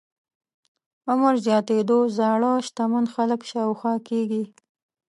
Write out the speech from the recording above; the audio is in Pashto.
عمر زياتېدو زاړه شتمن خلک شاوخوا کېږي.